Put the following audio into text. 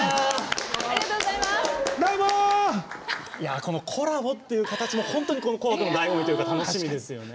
このコラボっていう形も本当に「紅白」のだいご味というか楽しみですよね。